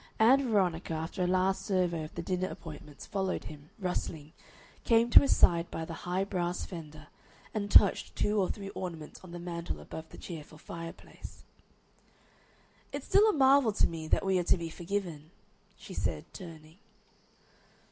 Ann Veronica, after a last survey of the dinner appointments, followed him, rustling, came to his side by the high brass fender, and touched two or three ornaments on the mantel above the cheerful fireplace. "It's still a marvel to me that we are to be forgiven," she said, turning.